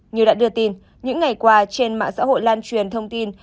như đã đưa tin những ngày qua trên mạng xã hội lan truyền thông tin